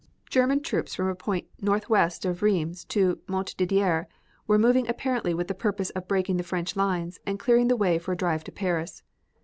German troops from a point northwest of Rheims to Montdidier were moving apparently with the purpose of breaking the French lines and clearing the way for a drive to Paris.